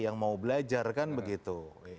yang mau belajar kan begitu